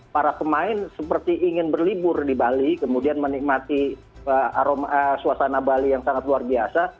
para pemain seperti ingin berlibur di bali kemudian menikmati suasana bali yang sangat luar biasa